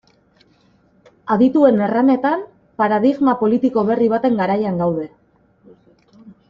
Adituen erranetan, paradigma politiko berri baten garaian gaude.